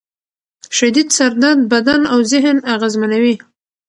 شدید سر درد بدن او ذهن اغېزمنوي.